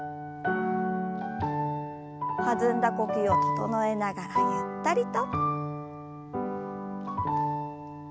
弾んだ呼吸を整えながらゆったりと。